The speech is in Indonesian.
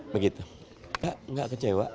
pak enggak kecewa